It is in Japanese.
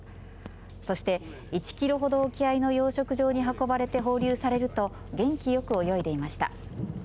そして、１キロほど沖合の養殖場に運ばれて放流されると元気よく泳いでいました。